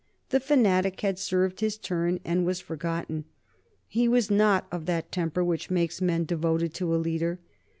The fanatic had served his turn, and was forgotten. He was not of that temper which makes men devoted to a leader.